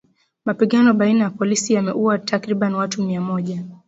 Mapigano baina ya polisi yameuwa takriban watu mia moja.